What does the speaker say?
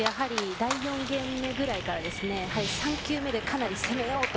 第４ゲーム目ぐらいから３球目でかなり攻めようと。